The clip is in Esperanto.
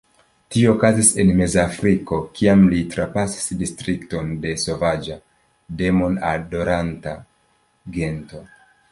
Tio okazis en Mezafriko, kiam li trapasis distrikton de sovaĝa, demon-adoranta gento.